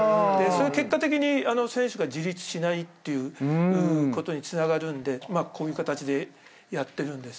結果的に選手が自立しないっていうことにつながるんでこういう形でやってるんです。